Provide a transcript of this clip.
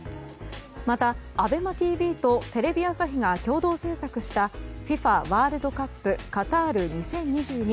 また、ＡｂｅｍａＴＶとテレビ朝日が共同制作した「ＦＩＦＡワールドカップカタール２０２２」